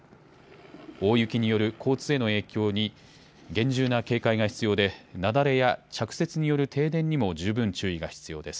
大雪による交通への影響に厳重な警戒が必要で雪崩や着雪による停電にも十分注意が必要です。